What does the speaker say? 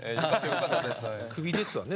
クビですわね